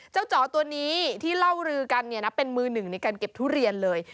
จ๋อตัวนี้ที่เล่ารือกันเป็นมือหนึ่งในการเก็บทุเรียนเลย